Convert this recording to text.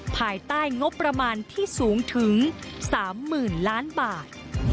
ภายใต้งบประมาณที่สูงถึง๓๐๐๐ล้านบาท